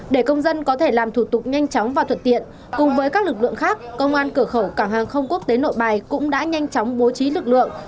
để công dân có thể làm thủ tục nhanh chóng và thuận tiện cùng với các lực lượng khác công an cửa khẩu cảng hàng không quốc tế nội bài cũng đã nhanh chóng bố trí lực lượng